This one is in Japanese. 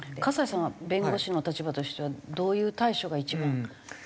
河西さんは弁護士の立場としてはどういう対処が一番？